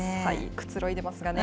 くつろいでますがね。